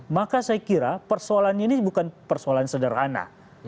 maka saya kira persoalannya ini bukan persoalan sederhana